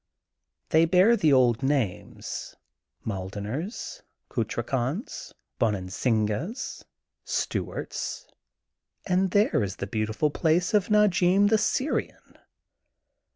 They bear the old names, Maldener's, Kutrakon's, Bon ansinga^s, Stuart *s, and there is the beau7 tiful place of Najim, the Syrian.